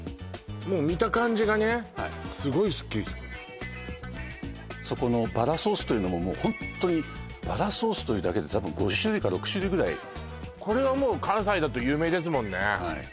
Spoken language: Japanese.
もう見た感じがねすごいすっきりそこのばらソースというのもホントにばらソースというだけでたぶん５種類か６種類ぐらいこれはもう関西だと有名ですもんね